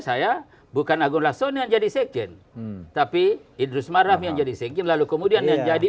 saya bukan agung laksona jadi second tapi idris marah yang jadi segi lalu kemudian yang jadi